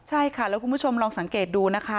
ใช่ค่ะแล้วคุณผู้ชมลองสังเกตดูนะคะ